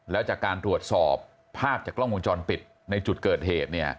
แล้วจากการตรวจสอบภาพจากกล้องวงจรปิดในจุดเกิดเหตุ